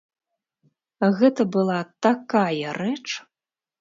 Гэта была такая рэч!